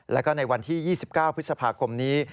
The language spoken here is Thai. แล้วก็ในวันที่๒๙พฤษภาคมนี้